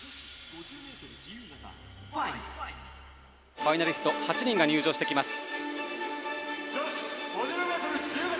ファイナリスト８人が入場してきます。